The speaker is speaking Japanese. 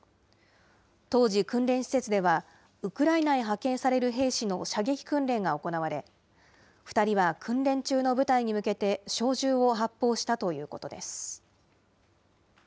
当時、訓練施設ではウクライナへ派遣される兵士の射撃訓練が行われ、２人は訓練中の部隊に向けて小銃を発砲したということです。